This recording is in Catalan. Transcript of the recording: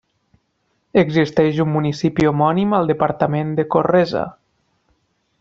Existeix un municipi homònim al departament de Corresa.